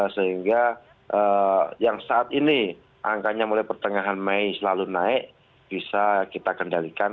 sehingga yang saat ini angkanya mulai pertengahan mei selalu naik bisa kita kendalikan